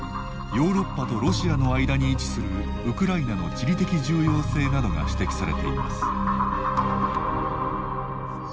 ヨーロッパとロシアの間に位置するウクライナの地理的重要性などが指摘されています。